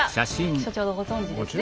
所長ご存じですね？